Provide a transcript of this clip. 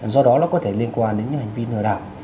do đó nó có thể liên quan đến những hành vi nở đảo